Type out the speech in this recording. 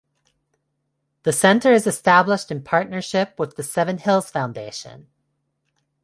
The Centre is established in partnership with the Seven Hills Foundation.